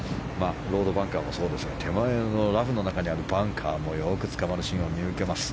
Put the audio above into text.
ロードバンカーもそうですが手前のラフの中にあるバンカーもよくつかまるシーンを見受けます。